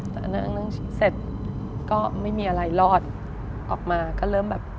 แต่นั่งเสร็จก็ไม่มีอะไรรอดออกมาก็เริ่มแบบ